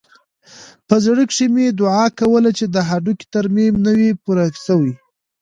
په زړه کښې مې دعا کوله چې د هډوکي ترميم نه وي پوره سوى.